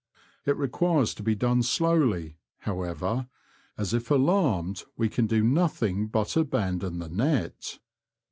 It requires to be done slowly^ however, as if alarmed we can do nothing but abandon the net.